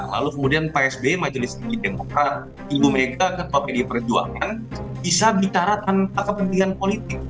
lalu kemudian pak sby majelis tinggi demokrat ibu mega ketua pdi perjuangan bisa bicara tanpa kepentingan politik